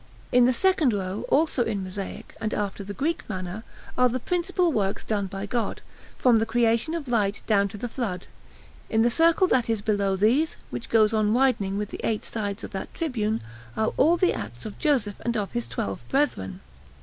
In the second row, also in mosaic, and after the Greek manner, are the principal works done by God, from the creation of light down to the Flood. In the circle that is below these, which goes on widening with the eight sides of that tribune, are all the acts of Joseph and of his twelve brethren.